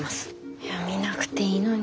いや見なくていいのに。